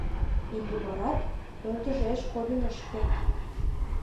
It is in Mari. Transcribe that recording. Иллимарат ӧрдыжеш кодын ыш керт.